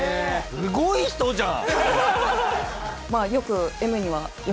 すごい人じゃん！